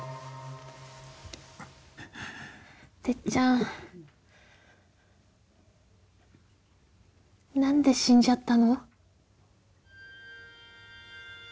てっちゃん何で死んじゃったの？